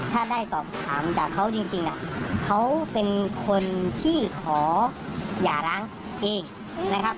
ถ้าได้สอบถามจากเขาจริงเขาเป็นคนที่ขอหย่าร้างเองนะครับ